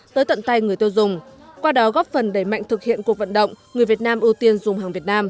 tới tận tay người tiêu dùng qua đó góp phần đẩy mạnh thực hiện cuộc vận động người việt nam ưu tiên dùng hàng việt nam